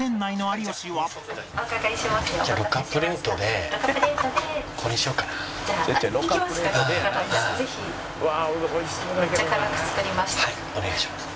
はいお願いします。